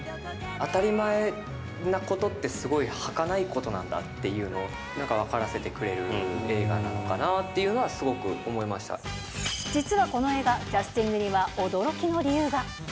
当たり前なことってすごいはかないことなんだっていうのを、なんか分からせてくれる映画なのかなっていうのは、すごく思いま実はこの映画、キャスティングには驚きの理由が。